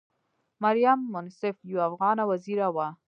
مریم منصف یوه افغانه وزیره وه.